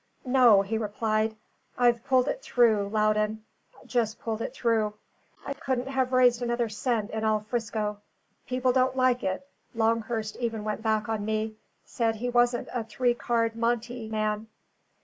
"No," he replied; "I've pulled it through, Loudon; just pulled it through. I couldn't have raised another cent in all 'Frisco. People don't like it; Longhurst even went back on me; said he wasn't a three card monte man."